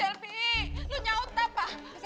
lu nyaut apa